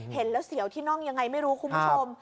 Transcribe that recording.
เห็นแล้วเสียวที่น่องยังไงไม่รู้คุณผู้ชม